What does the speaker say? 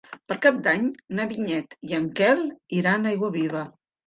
Per Cap d'Any na Vinyet i en Quel iran a Aiguaviva.